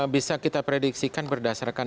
bisa kita prediksikan berdasarkan